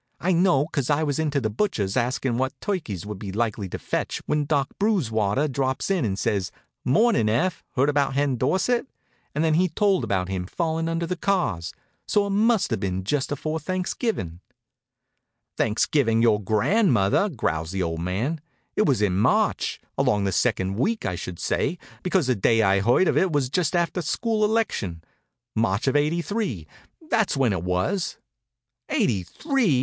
"I know, 'cause I was into the butcher's askin' what turkeys would be likely to fetch, when Doc Brewswater drops in and says: 'Mornin', Eph. Heard about Hen Dorsett?' And then he told about him fallin' under the cars. So it must have been just afore Thanksgivin'." "Thanksgivin' your grandmother!" growls the old man. "It was in March, along the second week, I should say, because the day I heard of it was just after school election. March of '83, that's when it was." "Eighty three!"